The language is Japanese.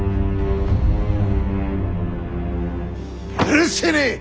許せねえ！